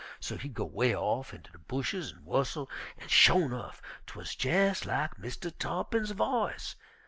So he go 'way off inter de bushes an' whustle, an' sho' nuff, 'twuz jes' lak Mistah Tarr'pin's voice.